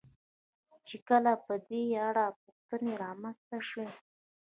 چې کله په دې اړه پوښتنې را منځته شوې.